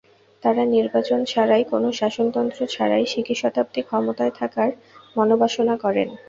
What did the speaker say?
তাঁরা নির্বাচন ছাড়াই, কোনো শাসনতন্ত্র ছাড়াই সিকি শতাব্দী ক্ষমতায় থাকার মনোবাসনা করেন।